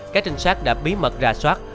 các trinh sát đã bí mật ra soát